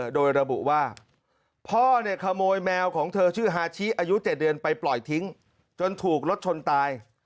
โดยระบุว่าพ่อเนี่ยขโมยแมวของเธอชื่อฮาชิอายุ๗เดือนไปปล่อยทิ้งจนถูกรถชนตาย